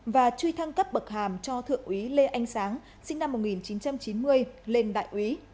và truy thăng cấp bậc hàm cho thượng úy lê anh sáng sinh năm một nghìn chín trăm chín mươi lên đại úy